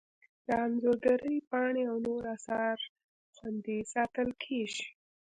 د انځورګرۍ پاڼې او نور اثار خوندي ساتل کیږي.